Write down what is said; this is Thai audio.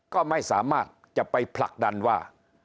ก็ไม่สามารถจะไปผลักดันว่า